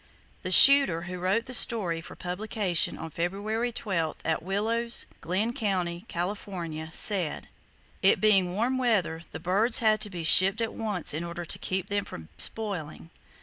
The shooter who wrote the story for publication (on February 12, at Willows, Glenn County, California) said: "It being warm weather, the birds had to be shipped at once in order to keep them from spoiling."